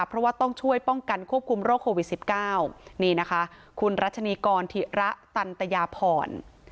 เพราะว่าต้องช่วยป้องกันควบคุมโรคโควิด๑๙นี่นะคะคุณรัชนีกรธิระตันตยาพร